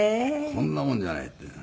「こんなもんじゃない」って。